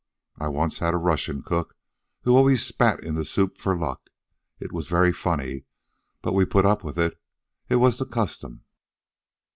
I once had a Russian cook who always spat in the soup for luck. It was very funny. But we put up with it. It was the custom."